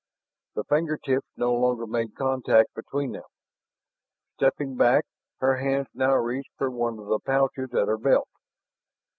The finger tips no longer made contact between them. Stepping back, her hands now reached for one of the pouches at her belt.